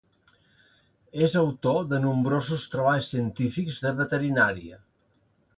És autor de nombrosos treballs científics de veterinària.